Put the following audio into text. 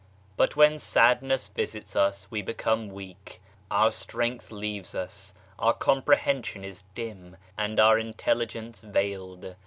But when sadness visits us we become weak, our strength leaves us, our comprehension is dim and our intelligence veiled.